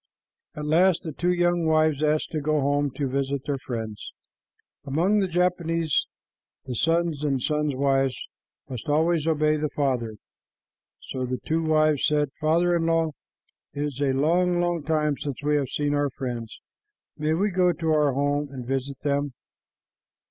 At last the two young wives asked to go home to visit their friends. Among the Japanese the sons and the sons' wives must always obey the father, so the two wives said, "Father in law, it is a long, long time since we have seen our friends. May we go to our old home and visit them?"